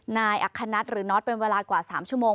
นายอัฆฮนัตริย์หรือนอทเป็นเวลากว่าสามชั่วโมง